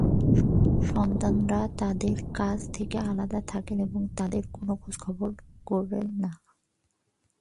সন্তানেরা তাঁদের কাছ থেকে আলাদা থাকেন এবং তাঁদের কোনো খোঁজখবর করেন না।